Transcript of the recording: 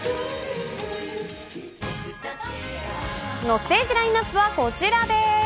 ステージラインアップはこちらです。